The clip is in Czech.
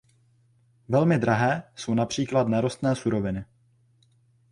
Velmi drahé jsou například nerostné suroviny.